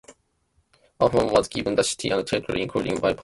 Ahmad was given the city and territory including Bayburt.